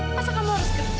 masa kamu harus kerja